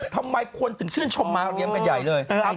ทำไมคนถึงชื่นชมมาเรียมกันใหญ่เลย